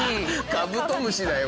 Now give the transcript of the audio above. カブトムシだよ！